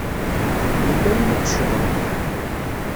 Yella win i yeccḍen.